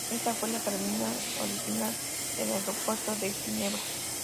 Esta fue la terminal original del aeropuerto de Ginebra.